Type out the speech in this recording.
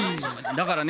だからね